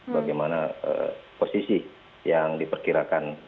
bagaimana posisi yang diperkirakan